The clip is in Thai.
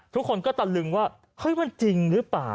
ทุกคนก็ตะลึงว่าเฮ้ยมันจริงหรือเปล่า